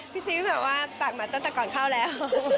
พี่ซิบบอกว่าปากหมาตั้งแต่ก่อนเข้าแล้ว